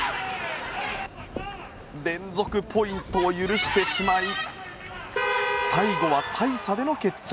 連続ポイントを許してしまい最後は大差での決着。